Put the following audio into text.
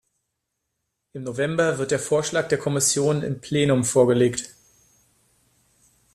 Im November wird der Vorschlag der Kommission im Plenum vorgelegt.